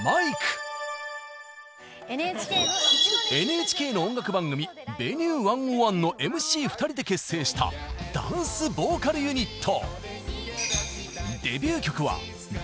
ＮＨＫの音楽番組「Ｖｅｎｕｅ１０１」のＭＣ２人で結成したダンスボーカルユニット。